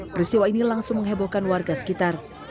peristiwa ini langsung menghebohkan warga sekitar